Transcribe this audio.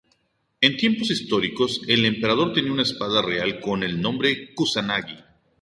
En tiempos históricos, el Emperador tenía una espada real con el nombre de Kusanagi.